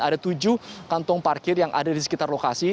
ada tujuh kantong parkir yang ada di sekitar lokasi